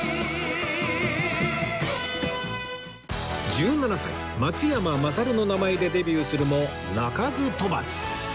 １７歳松山まさるの名前でデビューするも鳴かず飛ばず